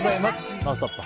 「ノンストップ！」